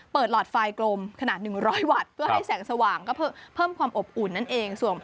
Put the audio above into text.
หลอดไฟกลมขนาด๑๐๐วัตต์เพื่อให้แสงสว่างก็เพิ่มความอบอุ่นนั่นเอง